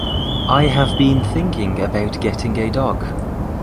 I have been thinking about getting a dog.